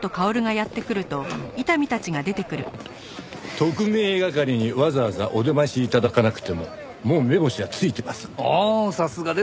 特命係にわざわざお出まし頂かなくてももう目星は付いてますんで。